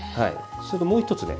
それともう一つね